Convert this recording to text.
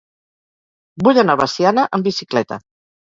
Vull anar a Veciana amb bicicleta.